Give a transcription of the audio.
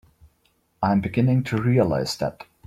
I'm beginning to realize that.